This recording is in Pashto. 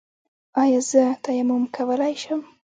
ایا زه تیمم کولی شم؟